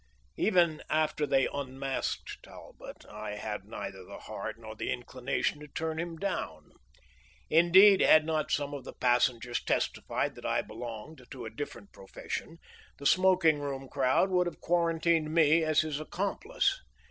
Even after they unmasked Talbot I had neither the heart nor the inclination to turn him down. Indeed, had not some of the passengers testified that I belonged to a different profession, the smoking room crowd would have quarantined me as his accomplice.